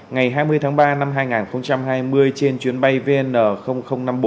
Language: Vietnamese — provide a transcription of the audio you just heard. ngày hai mươi tháng ba năm hai nghìn hai mươi trên chuyến bay vn năm mươi bốn